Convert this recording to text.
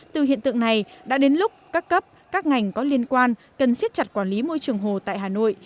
từ hiện tượng này đã đến lúc các cấp các ngành có liên quan cần siết chặt quản lý môi trường hồ tại hà nội